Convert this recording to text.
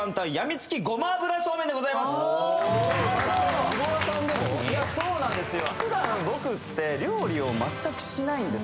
いやそうなんですよ